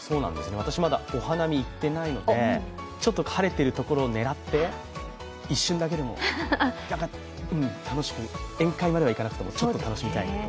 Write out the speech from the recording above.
私まだお花見行っていないのでちょっと晴れてる所を狙って、一瞬だけでも楽しく、宴会まではいかなくても楽しみたい。